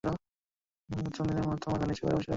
প্রথম দিনের মতো মাথা নিচু করে বসে রইল।